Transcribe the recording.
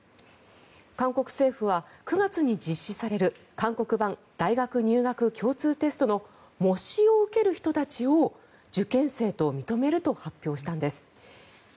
韓国政府は９月に実施される韓国版大学入学共通テストの模試を受ける人たちを受験生と認めると発表したんです。